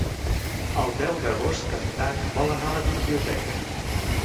El deu d'agost en Dan vol anar a la biblioteca.